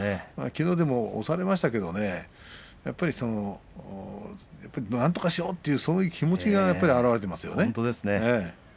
きのう押されましたけどねなんとかしようというそういう気持ちが表れていますよね。